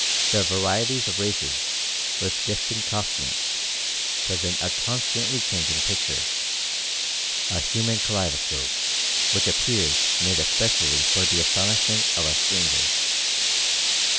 The varieties of races, with different costumes, present a constantly changing picture, a human kaleidoscope, which appears made especially for the astonishment of a stranger.